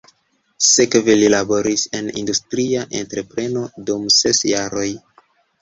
Sekve li laboris en industria entrepreno dum ses jaroj.